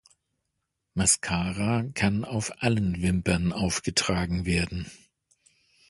Mascara kann auf allen Wimpern aufgetragen werden.